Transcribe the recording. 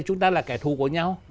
chúng ta là kẻ thù của nhau